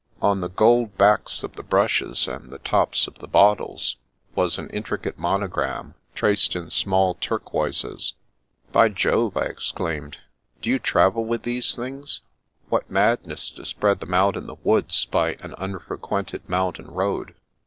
On the gold backs of the brushes, and the tops of the bottles, was an intricate monogram, traced in small turquoises. The Princess 135 " By Jove !" I exclaimed. " Do you travel with these things? What madness to spread them out in the woods by an unfrequented mountain road!